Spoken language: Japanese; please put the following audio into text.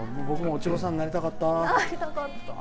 僕もお稚児さんになりたかった。